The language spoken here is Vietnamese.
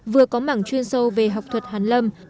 vừa có mảng chuyên sâu về học thuật hàn lâm